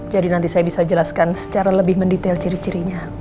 nanti saya bisa jelaskan secara lebih mendetail ciri cirinya